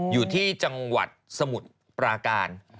อยู่ที่จังหวัดสมุทรปราการ